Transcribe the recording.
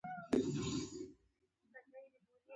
په کامن وايس کښې لګيا ىمه